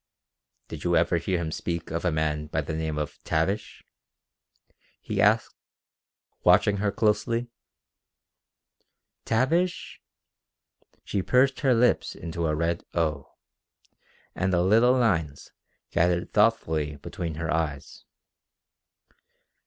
"Did you ever hear him speak of a man by the name of Tavish?" he asked, watching her closely. "Tavish?" She pursed her lips into a red "O," and little lines gathered thoughtfully between her eyes.